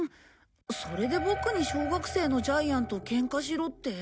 それでボクに小学生のジャイアンとケンカしろって？